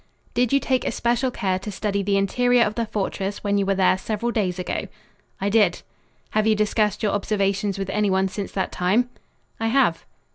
"Did you take especial care to study the interior of the fortress when you were there several days ago?" "I did." "Have you discussed your observations with anyone since that time?" "I have."